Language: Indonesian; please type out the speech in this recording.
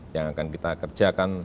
yang akan kita kerjakan